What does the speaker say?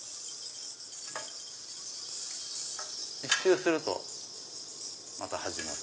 １周するとまた始まる。